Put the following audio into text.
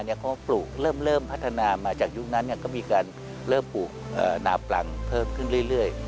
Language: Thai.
เขาก็ปลูกเริ่มพัฒนามาจากยุคนั้นก็มีการเริ่มปลูกนาปลังเพิ่มขึ้นเรื่อย